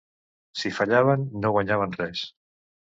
Si fallaven, no guanyaven res.